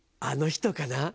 あの人かな？